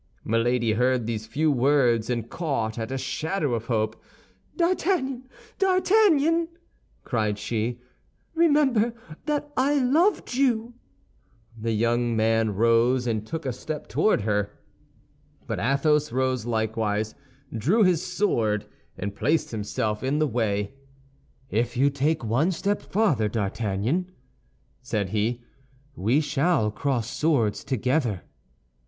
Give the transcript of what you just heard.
Milady heard these few words and caught at a shadow of hope. "D'Artagnan, D'Artagnan!" cried she; "remember that I loved you!" The young man rose and took a step toward her. But Athos rose likewise, drew his sword, and placed himself in the way. "If you take one step farther, D'Artagnan," said he, "we shall cross swords together."